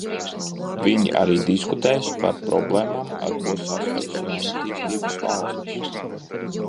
Viņi arī diskutēs par problēmām, ar ko saskaras jaunattīstības valstis.